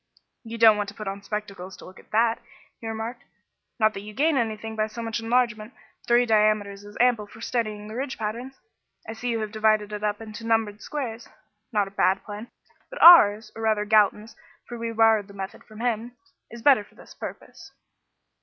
"You don't want to put on spectacles to look at that," he remarked; "not that you gain anything by so much enlargement; three diameters is ample for studying the ridge patterns. I see you have divided it up into numbered squares not a bad plan; but ours or rather Galton's, for we borrowed the method from him is better for this purpose."